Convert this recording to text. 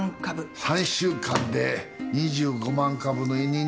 ３週間で２５万株の委任状？